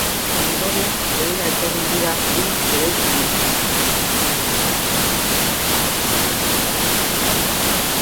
Ondoren behera etorri dira bi eraikinak.